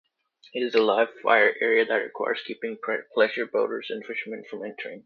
It is a live-fire area that requires keeping pleasure boaters and fishermen from entering.